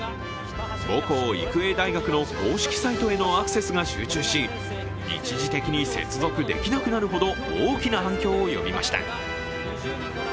母校・育英大学の公式サイトへのアクセスが集中し、一時的に接続できなくなるほど大きな反響を呼びました。